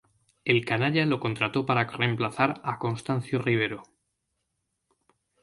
El "canalla" lo contrató para remplazar a Constancio Rivero.